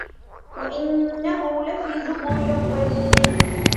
وَإِنَّهُ لَفِي زُبُرِ الْأَوَّلِينَ